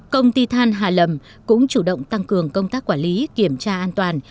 công ty than hà lầm cũng chủ động tăng cường công tác quản lý kiểm tra an toàn